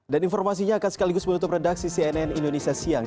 informasinya akan sekaligus menutup redaksi cnn indonesia siang